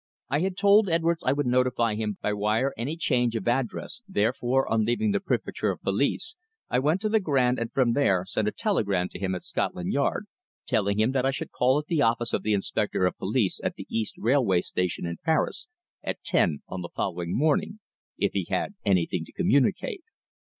I had told Edwards I would notify him by wire any change of address, therefore, on leaving the Préfecture of Police, I went to the Grand and from there sent a telegram to him at Scotland Yard, telling him that I should call at the office of the inspector of police at the East railway station in Paris at ten on the following morning if he had anything to communicate.